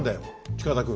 近田君。